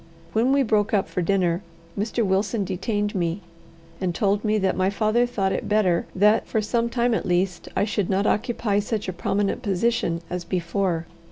When we broke up for dinner, Mr. Wilson detained me, and told me that my father thought it better that, for some time at least, I should not occupy such a prominent position as before.